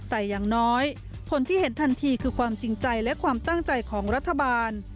แต่อย่างน้อยผลที่เห็นทันทีคือความจริงใจและความตั้งใจของรัฐบาล